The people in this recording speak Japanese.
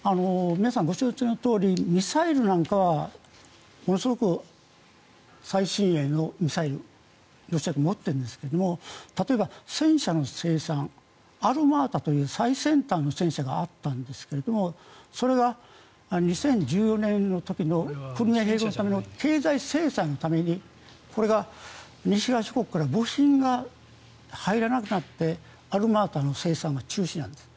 皆さんご承知のとおりミサイルなんかはものすごく最新鋭のミサイルをロシア軍は持っているんですが例えば、戦車の生産アルマータという最先端の戦車があったんですがそれが２０１４年の時のクリミア併合のための経済制裁のためにこれが西側諸国から部品が入らなくなってアルマータの生産が中止になった。